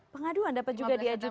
pengaduan dapat juga diajukan